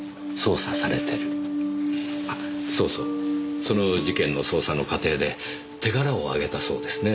あっそうそうその事件の捜査の過程で手柄を上げたそうですね。